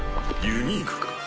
ユニークか？